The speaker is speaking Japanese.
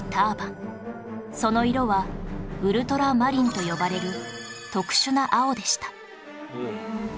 その色はウルトラマリンと呼ばれる特殊な青でした